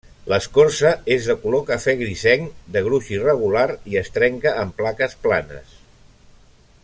L'escorça és de color cafè grisenc, de gruix irregular i es trenca en plaques planes.